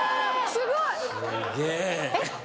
すごい。